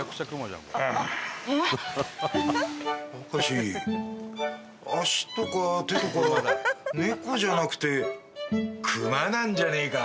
明足とか手とか猫じゃなくて熊なんじゃねえか？